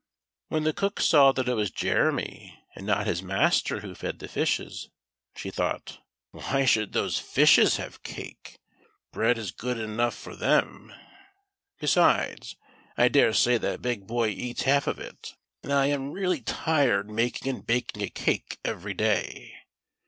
When the cook saw that it was Jeremy and not his master who fed the fishes, she thought :" Why should these fishes have cake } bread is good enough for them ; besides, I daresay that big boy eats half of it, and I am really tired making and baking a cake every day.